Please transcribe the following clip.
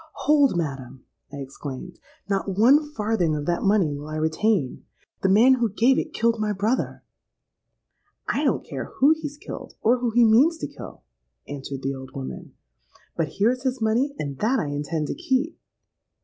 —'Hold, madam!' I exclaimed. 'Not one farthing of that money will I retain! The man who gave it killed my brother!'—'I don't care who he's killed, or who he means to kill,' answered the old woman, 'But here's his money; and that I intend to keep.'